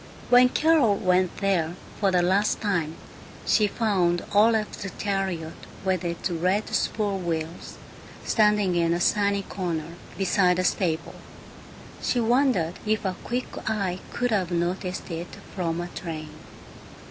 When Carol went there, for the last time, she found Olaf's chariot with its red spool wheels standing in the sunny corner beside the stable. She wondered if a quick eye could have noticed it from a train.